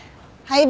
はい。